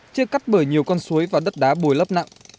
chia cắt bởi nhiều con suối và đất đá bồi lấp nặng